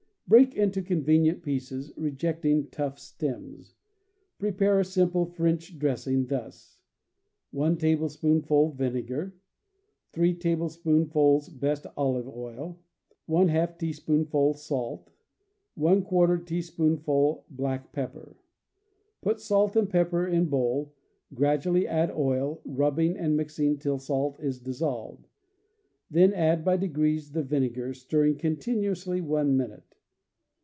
Break into convenient pieces, rejecting tough stems. Prepare a simple French dressing, thus: 1 tablespoonful vinegar, 3 tablespoonful s best olive oil, i teaspoonful salt, I ' black pepper. Put salt and pepper in bowl, gradually add oil, rubbing aid mixing till salt is dissolved; then add by degrees the vinegar, stirring continuously one minute.